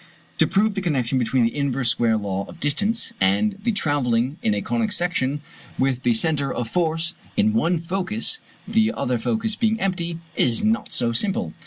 To prove the connection between the inverse square law of distance, and the travelling in a conic section with the centre of force in one focus (the other focus being empty), is not so simple.